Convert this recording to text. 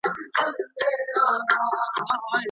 که د ډوډۍ وزن پوره وي، نو خلګو ته زیان نه رسیږي.